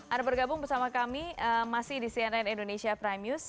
ada bergabung bersama kami masih di cnn indonesia prime news